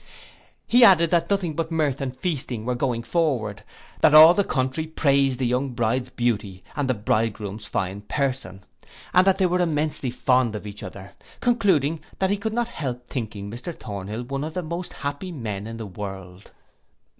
He added, that nothing but mirth and feasting were going forward; that all the country praised the young bride's beauty, and the bridegroom's fine person, and that they were immensely fond of each other; concluding, that he could not help thinking Mr Thornhill one of the most happy men in the world.